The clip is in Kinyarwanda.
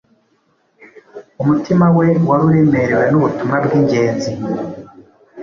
Umutima we wari uremerewe n’ubutumwa bw’ingenzi